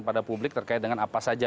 pada publik terkait dengan apa saja